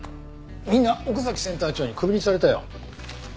みんな奥崎センター長にクビにされたよ。